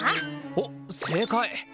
おっ正解！